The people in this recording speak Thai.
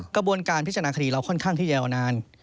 กระบวนการพิจารณาคดีเราค่อนข้างที่ยาวนาน